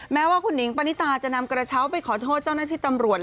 แม้ว่าคุณหิงปณิตาจะนำกระเช้าไปขอโทษเจ้าหน้าที่ตำรวจ